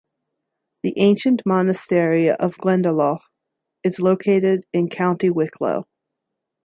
The ancient monastery of Glendalough is located in County Wicklow.